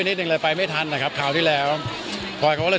หรือว่าไม่ค่อยแต่ว่าไม่ค่อย